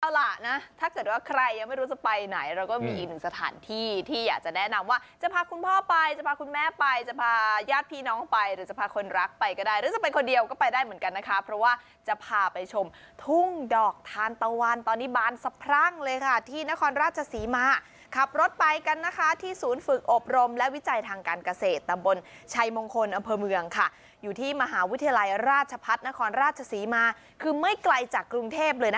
เอาล่ะนะถ้าเกิดว่าใครยังไม่รู้จะไปไหนเราก็มีอีกหนึ่งสถานที่ที่อยากจะแนะนำว่าจะพาคุณพ่อไปจะพาคุณแม่ไปจะพายาดพี่น้องไปหรือจะพาคนรักไปก็ได้หรือจะไปคนเดียวก็ไปได้เหมือนกันนะคะเพราะว่าจะพาไปชมทุ่งดอกทานตะวันตอนนี้บานสับพรั่งเลยค่ะที่นครราชสีมาขับรถไปกันนะคะที่ศูนย์ฝึกอบรมและวิจัยทางการเกษต